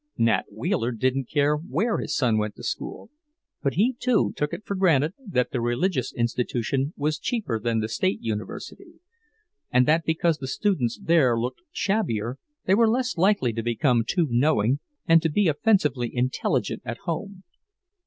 Nat Wheeler didn't care where his son went to school, but he, too, took it for granted that the religious institution was cheaper than the State University; and that because the students there looked shabbier they were less likely to become too knowing, and to be offensively intelligent at home.